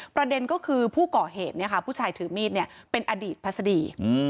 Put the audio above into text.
ประเด็นก็คือผู้ก่อเหตุผู้ชายถือมีดเป็นอดีตพัศดี